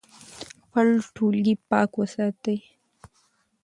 خپل ټولګی پاک وساتئ.